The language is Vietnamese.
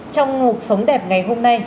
trong một sống đẹp ngày hôm nay